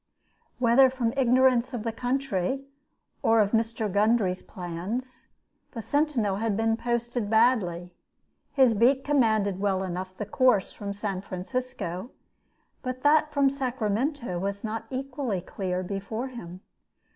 Whether from ignorance of the country or of Mr. Gundry's plans, the sentinel had been posted badly. His beat commanded well enough the course from San Francisco; but that from Sacramento was not equally clear before him.